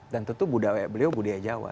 dan tentu beliau budaya jawa